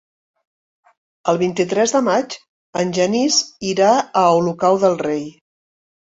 El vint-i-tres de maig en Genís irà a Olocau del Rei.